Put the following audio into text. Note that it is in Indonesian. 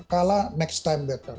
kalau kalah next time better